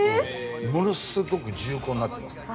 ものすごく重厚になってます。